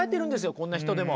こんな人でも。